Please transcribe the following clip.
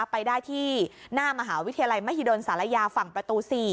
ไปได้ที่หน้ามหาวิทยาลัยมหิดลศาลยาฝั่งประตู๔